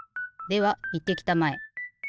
ではいってきたまえ。